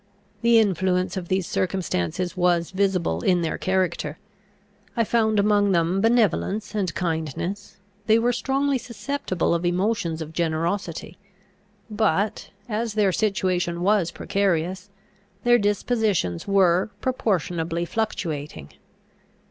The influence of these circumstances was visible in their character. I found among them benevolence and kindness: they were strongly susceptible of emotions of generosity. But, as their situation was precarious, their dispositions were proportionably fluctuating.